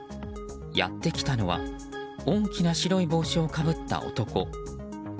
やってきたのは大きな白い帽子をかぶった男。